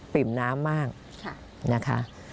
ปิ่มน้ำมากนะคะ